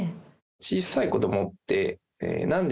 小さい子どもって、なんで？